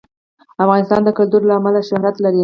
افغانستان د کلتور له امله شهرت لري.